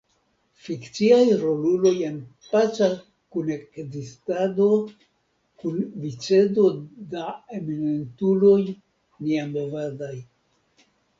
Fikciaj roluloj en paca kunekzistado kun vicedo da eminentuloj niamovadaj.